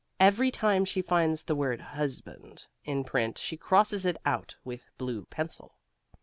Every time she finds the word HUSBAND in print she crosses it out with blue pencil.